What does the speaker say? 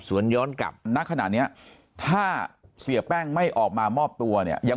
ย้อนกลับณขณะนี้ถ้าเสียแป้งไม่ออกมามอบตัวเนี่ยยัง